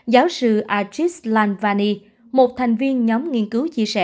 giáo sư arjit lankvani một thành viên nhóm nghiên cứu chia sẻ